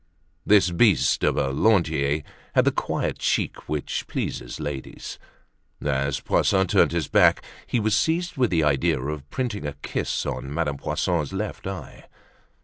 This beast of a Lantier had the quiet cheek which pleases ladies. As Poisson turned his back he was seized with the idea of printing a kiss on Madame Poisson's left eye.